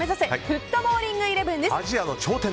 フットボウリングイレブン！です。